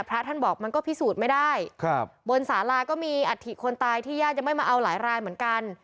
พระท่านบอกมันก็พิสูจน์ไม่ได้ครับบนสาราก็มีอัฐิคนตายที่ญาติยังไม่มาเอาหลายรายเหมือนกัน